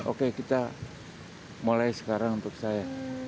oke kita mulai sekarang untuk saya